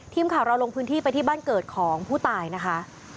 ทีมข่าวเราลงพื้นที่ไปที่บ้านเกิดของผู้ตายนะคะ